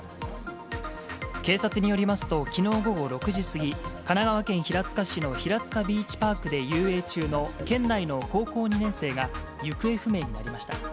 警察によりますと、きのう午後６時過ぎ、神奈川県平塚市のひらつかビーチパークで遊泳中の県内の高校２年生が、行方不明になりました。